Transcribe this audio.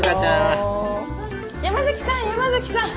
山崎さん山崎さん！